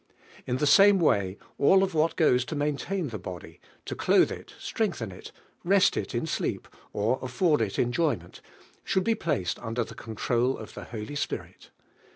In the same way, all of what goes to maintain the body — to clothe it, strengthen it, rest it in sleep, or afford it enjoyment — should be placed under the control of the Holy Spirit.